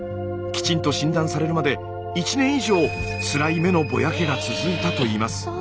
きちんと診断されるまで１年以上つらい目のぼやけが続いたといいます。